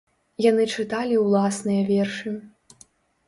Яны чыталі ўласныя вершы.